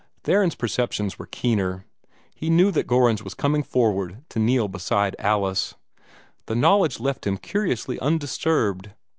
Theron's perceptions were keener. He knew that Gorringe was coming forward to kneel beside Alice; The knowledge left him curiously undisturbed.